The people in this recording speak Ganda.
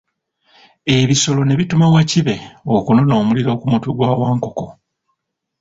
Ebisolo ne bituma Wakibe okunona omuliro ku mutwe gwa Wankoko.